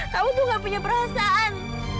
kamu tuh gak punya perasaan